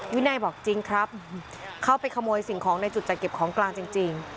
วินัยบอกจริงครับเข้าไปขโมยสิ่งของในจุดจัดเก็บของกลางจริง